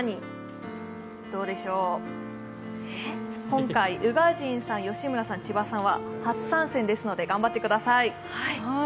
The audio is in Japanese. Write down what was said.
今回、宇賀神さん、吉村さん、千葉さんは初参戦ですので、頑張ってください